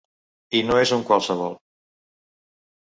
I no és un qualsevol.